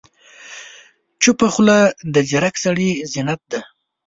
چپه خوله، د ځیرک سړي زینت دی.